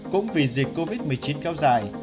cũng vì dịch covid một mươi chín kéo dài